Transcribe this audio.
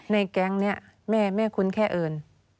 แก๊งนี้แม่คุ้นแค่เอิญ